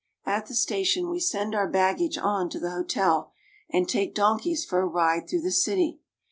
At the station we_ send our baggage on to the hotel and take donkeys for a ride through the city.